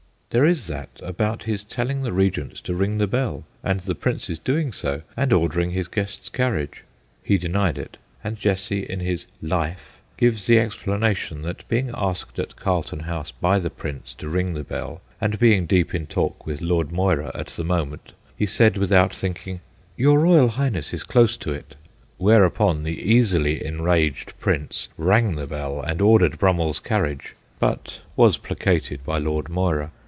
There is that about his telling the Regent to ring the bell, and the Prince's doing so and ordering his guest's carriage. He denied it, and Jesse in his Life gives the OLD STORIES 49 explanation, that being asked at Carlton House by the Prince to ring the bell, and being deep in talk with Lord Moira at the moment, he said without thinking, 'Your Royal Highness is close to it/ whereupon the easily enraged Prince rang the bell and ordered Brummeirs carriage, but was placated by Lord Moira.